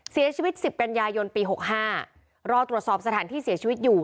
เสียชีวิต๑๐กันยายนปี๖๕รอตรวจสอบสถานที่เสียชีวิตอยู่